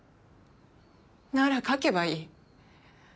なら描けばいい。